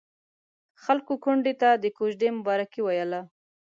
خلکو کونډې ته د کوژدې مبارکي ويله.